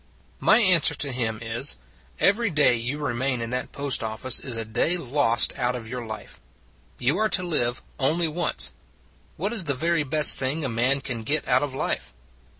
" My answer to him is : Every day you remain in that post office is a day lost out of your life. You are to live only once. What is the very best thing a man can get out of life?